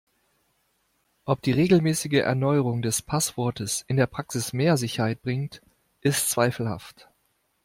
Ob die regelmäßige Erneuerung des Passwortes in der Praxis mehr Sicherheit bringt, ist zweifelhaft.